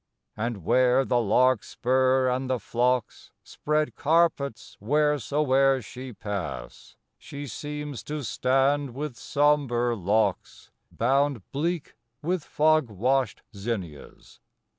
And where the larkspur and the phlox Spread carpets wheresoe'er she pass, She seems to stand with sombre locks Bound bleak with fog washed zinnias.